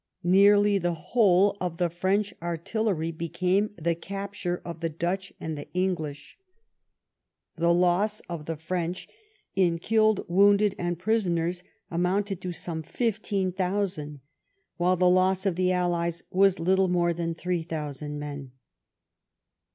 Nearly the whole of the French artillery became the capture of the English and the Dutch. The loss of the 248 BAMILLIES AND ALMANZA French in killed, wounded, and prisoners amounted to some fifteen thousand, while the loss of the allies was little more than three thousand men.